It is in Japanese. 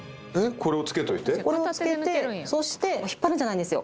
これをつけてそして引っ張るんじゃないんですよ